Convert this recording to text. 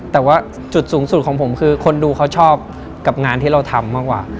แต่ว่าจุดสูงสุดของผมคือคนดูเขาชอบกับงานที่เราทำมากกว่า